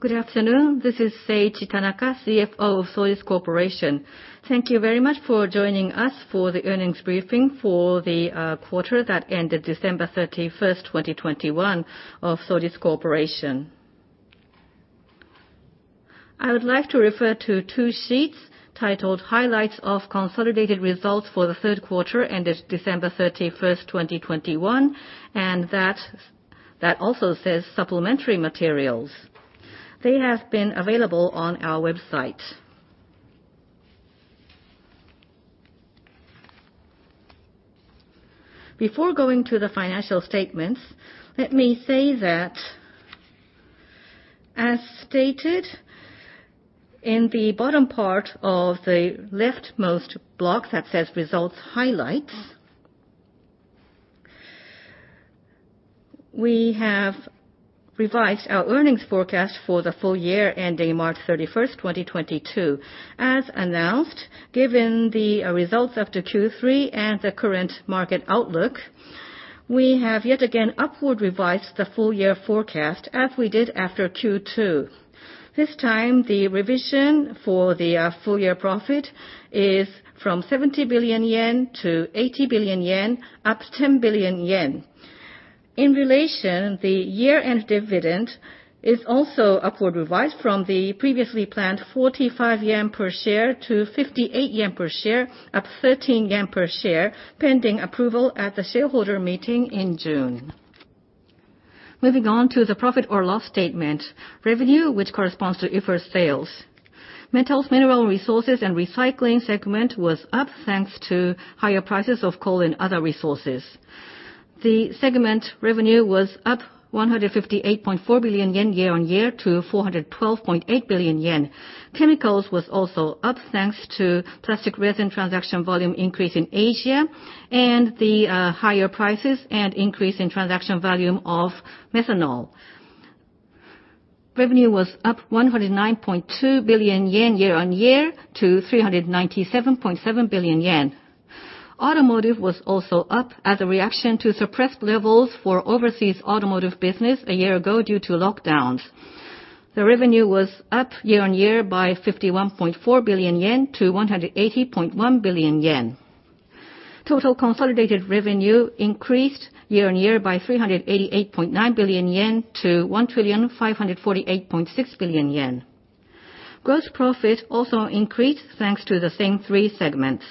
Good afternoon. This is Seiichi Tanaka, CFO of Sojitz Corporation. Thank you very much for joining us for the earnings briefing for the quarter that ended December 31, 2021 of Sojitz Corporation. I would like to refer to two sheets titled Highlights of Consolidated Results for the Third Quarter ended December 31, 2021, and that also says Supplementary Materials. They have been available on our website. Before going to the financial statements, let me say that as stated in the bottom part of the leftmost block that says Results Highlights, we have revised our earnings forecast for the full year ending March 31, 2022. As announced, given the results after Q3 and the current market outlook, we have yet again upward revised the full year forecast as we did after Q2. This time, the revision for the full year profit is from 70 billion yen to 80 billion yen, up 10 billion yen. In relation, the year-end dividend is also upward revised from the previously planned 45 yen per share to 58 yen per share, up 13 yen per share, pending approval at the shareholder meeting in June. Moving on to the profit and loss statement. Revenue, which corresponds to IFRS sales, Metals, Mineral Resources & Recycling segment was up, thanks to higher prices of coal and other resources. The segment revenue was up 158.4 billion yen year-on-year to 412.8 billion yen. Chemicals was also up, thanks to plastic resin transaction volume increase in Asia and the higher prices and increase in transaction volume of methanol. Revenue was up 109.2 billion yen year-on-year to 397.7 billion yen. Automotive was also up as a reaction to suppressed levels for overseas Automotive business a year ago due to lockdowns. The revenue was up year-on-year by 51.4 billion yen to 180.1 billion yen. Total consolidated revenue increased year-on-year by 388.9 billion yen to 1,548.6 billion yen. Gross profit also increased, thanks to the same three segments.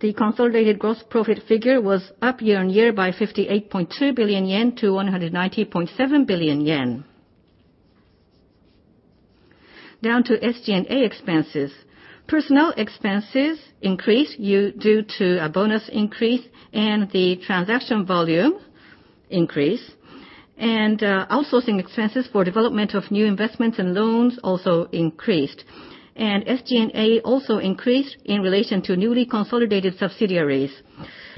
The consolidated gross profit figure was up year-on-year by 58.2 billion yen to 190.7 billion yen. Down to SG&A expenses. Personnel expenses increased due to a bonus increase and the transaction volume increase. Outsourcing expenses for development of new investments and loans also increased. SG&A also increased in relation to newly consolidated subsidiaries.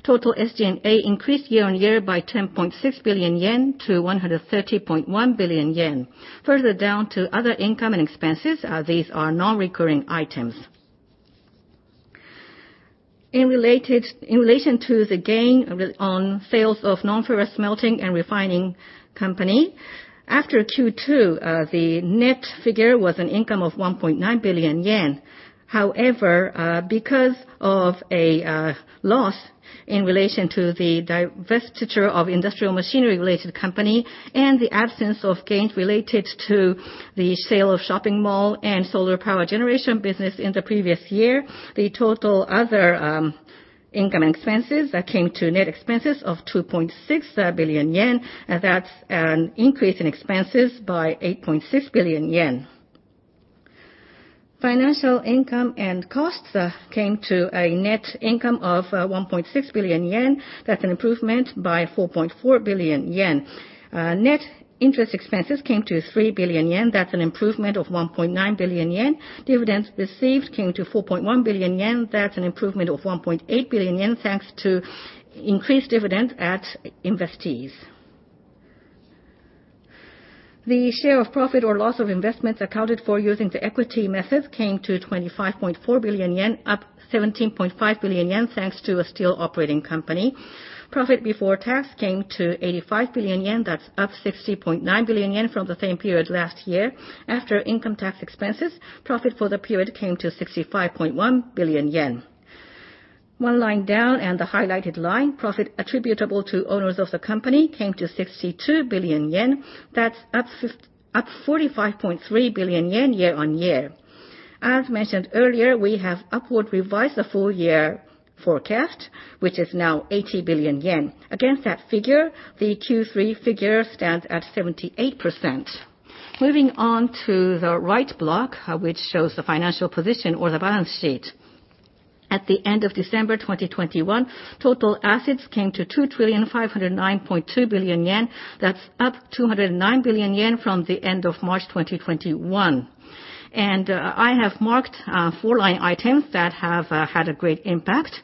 Total SG&A increased year-on-year by 10.6 billion yen to 130.1 billion yen. Further down to other income and expenses, these are non-recurring items. In relation to the gain on sales of non-ferrous smelting and refining company, after Q2, the net figure was an income of 1.9 billion yen. However, because of a loss in relation to the divestiture of industrial machinery related company and the absence of gains related to the sale of shopping mall and solar power generation business in the previous year, the total other income and expenses that came to net expenses of 2.6 billion yen, and that's an increase in expenses by 8.6 billion yen. Financial income and costs came to a net income of 1.6 billion yen. That's an improvement by 4.4 billion yen. Net interest expenses came to 3 billion yen. That's an improvement of 1.9 billion yen. Dividends received came to 4.1 billion yen. That's an improvement of 1.8 billion yen, thanks to increased dividend at investees. The share of profit or loss of investments accounted for using the equity method came to 25.4 billion yen, up 17.5 billion yen, thanks to a steel operating company. Profit before tax came to 85 billion yen. That's up 60.9 billion yen from the same period last year. After income tax expenses, profit for the period came to 65.1 billion yen. One line down and the highlighted line, profit attributable to owners of the company came to 62 billion yen. That's up forty-five point three billion yen year-on-year. As mentioned earlier, we have upward revised the full year forecast, which is now 80 billion yen. Against that figure, the Q3 figure stands at 78%. Moving on to the right block, which shows the financial position or the balance sheet. At the end of December 2021, total assets came to 2,509.2 billion yen. That's up 209 billion yen from the end of March 2021. I have marked four line items that have had a great impact.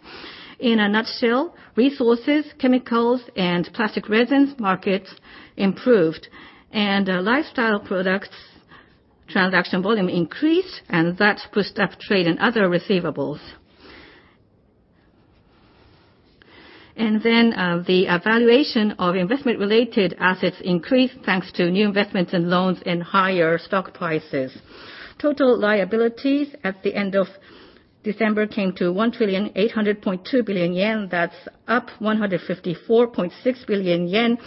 In a nutshell, resources, Chemicals and plastic resins markets improved. Lifestyle products transaction volume increased, and that pushed up trade and other receivables. Then, the valuation of investment-related assets increased thanks to new investments in loans and higher stock prices. Total liabilities at the end of December came to 1,800.2 billion yen. That's up 154.6 billion yen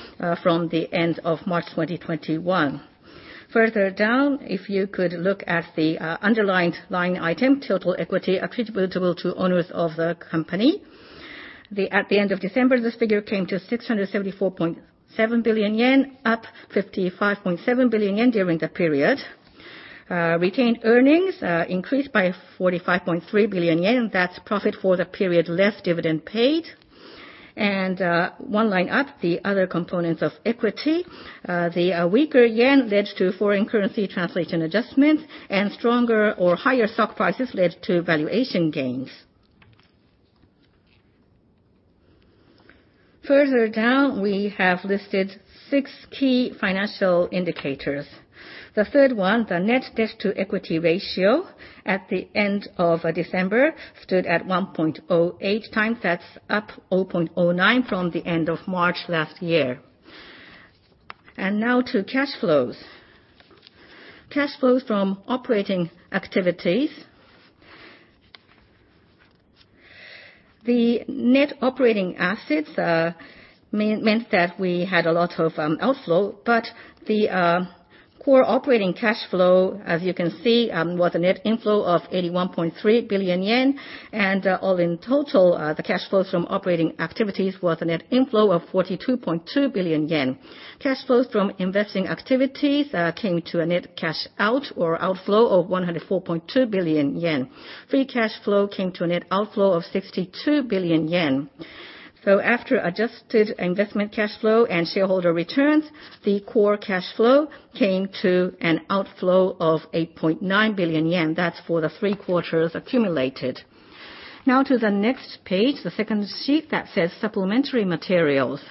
from the end of March 2021. Further down, if you could look at the underlined line item, total equity attributable to owners of the company. At the end of December, this figure came to 674.7 billion yen, up 55.7 billion yen during the period. Retained earnings increased by 45.3 billion yen. That's profit for the period less dividend paid. One line up, the other components of equity, the weaker yen led to foreign currency translation adjustments, and stronger or higher stock prices led to valuation gains. Further down, we have listed six key financial indicators. The third one, the net debt-to-equity ratio at the end of December stood at 1.08 times. That's up 0.09 from the end of March last year. Now to cash flows. Cash flows from operating activities. The net operating assets means that we had a lot of outflow, but the core operating cash flow, as you can see, was a net inflow of 81.3 billion yen. All in total, the cash flows from operating activities was a net inflow of 42.2 billion yen. Cash flows from investing activities came to a net cash outflow of 104.2 billion yen. Free cash flow came to a net outflow of 62 billion yen. After adjusted investment cash flow and shareholder returns, the core cash flow came to an outflow of 8.9 billion yen. That's for the three quarters accumulated. Now to the next page, the second sheet that says supplementary materials.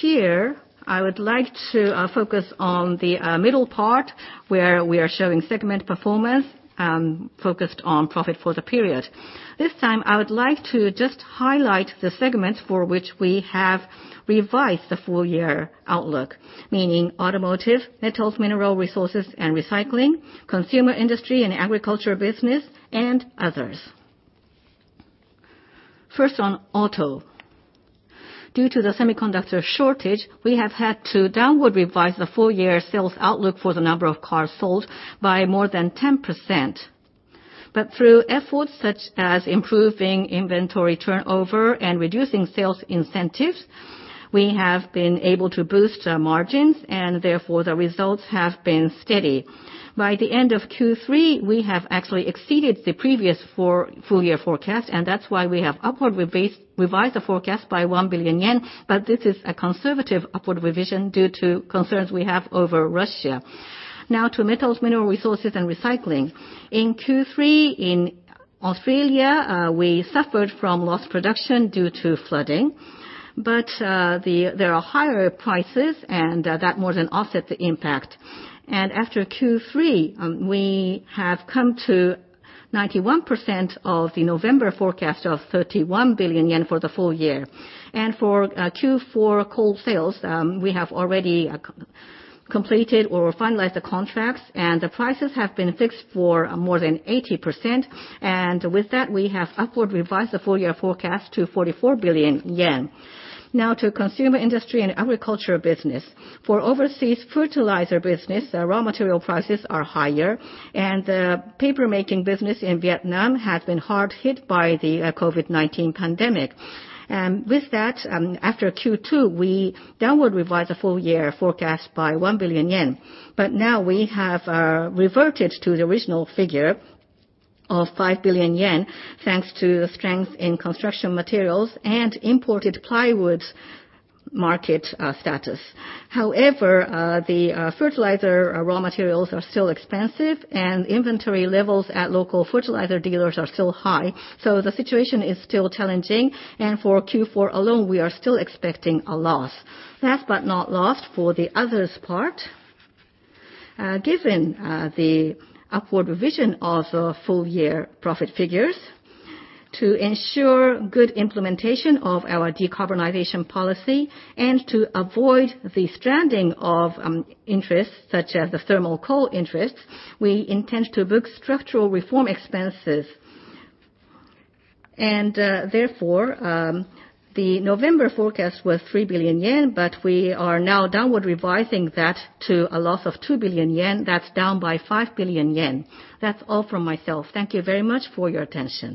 Here, I would like to focus on the middle part where we are showing segment performance focused on profit for the period. This time, I would like to just highlight the segments for which we have revised the full year outlook, meaning Automotive, Metals, Mineral Resources & Recycling, Consumer Industry & Agriculture Business, and others. First on auto. Due to the semiconductor shortage, we have had to downward revise the full year sales outlook for the number of cars sold by more than 10%. Through efforts such as improving inventory turnover and reducing sales incentives, we have been able to boost our margins, and therefore, the results have been steady. By the end of Q3, we have actually exceeded the previous full year forecast, and that's why we have upward revised the forecast by 1 billion yen. This is a conservative upward revision due to concerns we have over Russia. Now to Metals, Mineral Resources & Recycling. In Q3, in Australia, we suffered from lost production due to flooding, but there are higher prices and that more than offset the impact. After Q3, we have come to 91% of the November forecast of 31 billion yen for the full year. For Q4 coal sales, we have already completed or finalized the contracts, and the prices have been fixed for more than 80%. With that, we have upward revised the full year forecast to 44 billion yen. Now to Consumer Industry & Agriculture Business. For overseas fertilizer business, raw material prices are higher, and the paper-making business in Vietnam has been hard hit by the COVID-19 pandemic. With that, after Q2, we downward revised the full year forecast by 1 billion yen. Now we have reverted to the original figure of 5 billion yen, thanks to the strength in construction materials and imported plywood market status. However, fertilizer raw materials are still expensive, and inventory levels at local fertilizer dealers are still high, so the situation is still challenging. For Q4 alone, we are still expecting a loss. Last but not least, for the others part, given the upward revision of the full year profit figures, to ensure good implementation of our decarbonization policy, and to avoid the stranding of interests, such as the thermal coal interests, we intend to book structural reform expenses. Therefore, the November forecast was 3 billion yen, but we are now downward revising that to a loss of 2 billion yen. That's down by 5 billion yen. That's all from myself. Thank you very much for your attention.